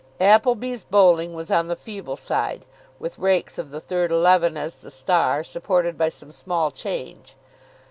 Appleby's bowling was on the feeble side, with Raikes, of the third eleven, as the star, supported by some small change.